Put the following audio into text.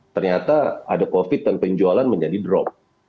ternyata ada covid dan penjualan menjadi drop